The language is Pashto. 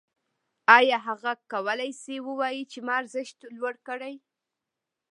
آیا هغه کولی شي ووايي چې ما ارزښت لوړ کړی